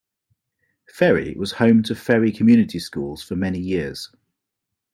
Ferry was home to Ferry Community Schools for many years.